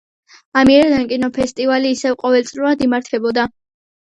ამიერიდან კინოფესტივალი ისევ ყოველწლიურად იმართებოდა.